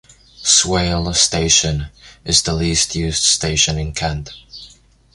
Swale Station is the least used station in Kent.